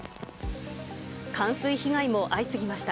冠水被害も相次ぎました。